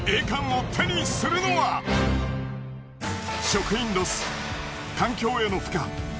食品ロス環境への負荷。